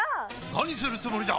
何するつもりだ！？